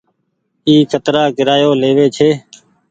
اي ڪترآ ڪيرآيو ليوي ڇي۔